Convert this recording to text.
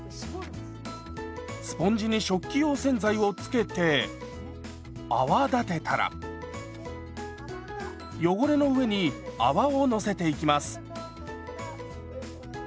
スポンジに食器用洗剤を付けて泡立てたら汚れの上に泡をのせていきます。